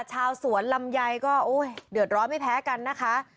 ชาวสวนลำไยก็เดือดร้อนไม่แพ้กันนะคะ